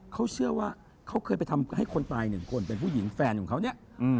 เขาเชื่อว่าเขาเคยไปทำให้คนตายหนึ่งคนเป็นผู้หญิงแฟนของเขาเนี่ย